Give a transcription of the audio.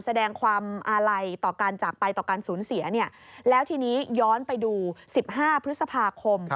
แค่ความอะไรต่อการจากไปต่อการสูญเสียเนี่ยแล้วทีนี้ย้อนไปดู๑๕พฤษภาคมก่อนหน้านี้